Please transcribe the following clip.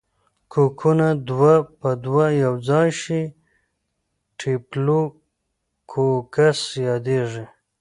کوکونه دوه په دوه یوځای شي ډیپلو کوکس یادیږي.